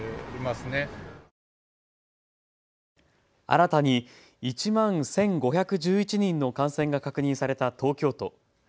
新たに１万１５１１人の感染が確認された東京都。